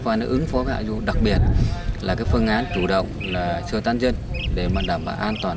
phương án ứng phó với hạ dụng đặc biệt là phương án chủ động sơ tăng dân để đảm bảo an toàn